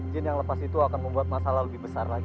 jin yang lepas itu akan membuat masalah lebih besar lagi